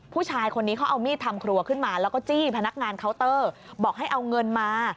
ผู้ชายคนนี้เขาเอามีดทำครัวขึ้นมาแล้วก็จี้พนักงานเคาน์เตอร์บอกให้เอาเงินมา